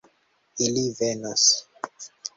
Ili venos.